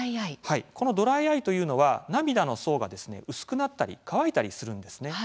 このドライアイというのは涙の層が薄くなったり乾いたりするんですね。